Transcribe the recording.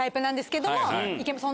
なんですけども。